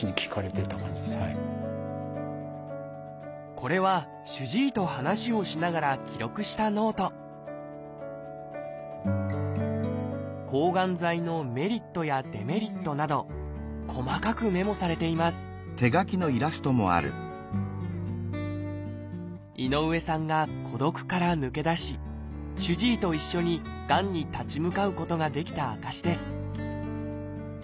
これは主治医と話をしながら記録したノート抗がん剤のメリットやデメリットなど細かくメモされています井上さんが孤独から抜け出し主治医と一緒にがんに立ち向かうことができた証しです